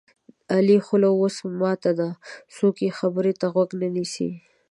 د علي خوله اوس ماته ده څوک یې خبرې ته غوږ نه نیسي.